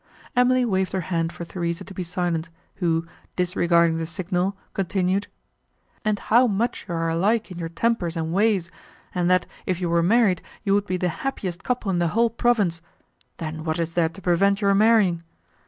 Emily waved her hand for Theresa to be silent, who, disregarding the signal, continued, "And how much you are alike in your tempers and ways, and, that, if you were married, you would be the happiest couple in the whole province—then what is there to prevent your marrying?